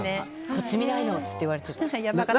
こっち見ないの！って言われていた。